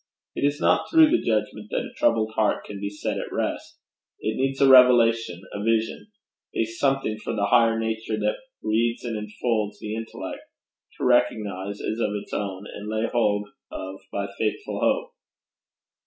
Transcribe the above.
It is not through the judgment that a troubled heart can be set at rest. It needs a revelation, a vision; a something for the higher nature that breeds and infolds the intellect, to recognize as of its own, and lay hold of by faithful hope.